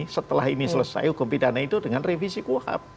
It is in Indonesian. setelah ini selesai hukum pidana itu dengan revisi kuhap